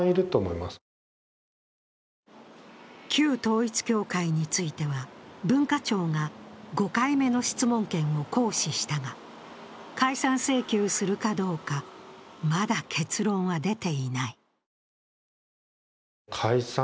旧統一教会については文化庁が５回目の質問権を行使したが、解散請求するかどうか、まだ結論は出ていない。